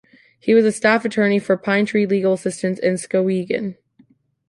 He was a staff attorney for Pine Tree Legal Assistance in Skowhegan.